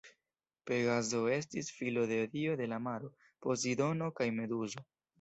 Pegazo estis filo de dio de la maro Pozidono kaj Meduzo.